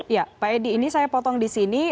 ya pak edi ini saya potong di sini